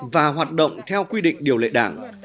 và hoạt động theo quy định điều lệ đảng